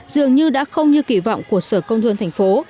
dường như đã không như kỳ vọng của sở công thương thành phố